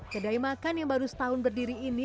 kedai makan yang baru setahun berdiri ini